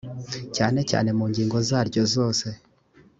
cyane cyane mu ngingo zaryo zose